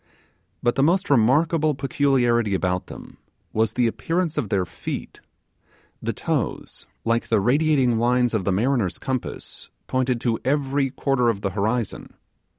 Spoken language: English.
But the most remarkable peculiarity about them was the appearance of their feet; the toes, like the radiating lines of the mariner's compass, pointed to every quarter of the horizon.